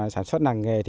sản xuất làng nghề